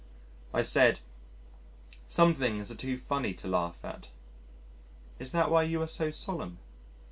I said, "Some things are too funny to laugh at." "Is that why you are so solemn?"